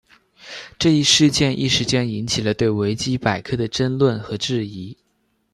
这一事件一时间引起了对维基百科的争论和质疑。